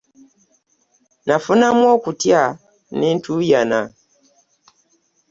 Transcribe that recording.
Nafunamu okutya ne ntuuyana.